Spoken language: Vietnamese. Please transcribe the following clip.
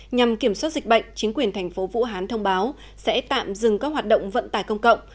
nhằm kiểm soát dịch bệnh chính quyền thành phố vũ hán thông báo sẽ tạm dừng các hoạt động vận tải công cộng